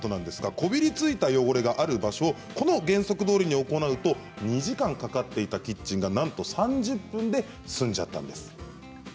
こびりついた汚れがある場所もこの原則どおりに行うと２時間かかっていたキッチンがなんと３０分で済んじゃったんです。